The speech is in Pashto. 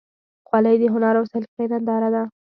خولۍ د هنر او سلیقې ننداره ده.